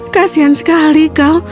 kasian sekali kau